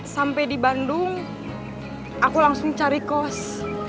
sampai di bandung aku langsung cari kos